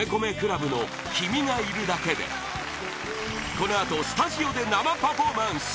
このあと、スタジオで生パフォーマンス！